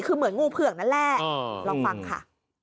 คือเหมือนงูเผือกนั่นแหละลองฟังค่ะ